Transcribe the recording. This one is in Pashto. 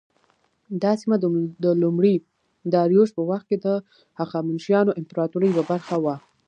دا سیمه د لومړي داریوش په وخت کې د هخامنشیانو امپراطورۍ یوه برخه وه.